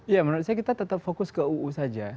ya menurut saya kita tetap fokus ke uu saja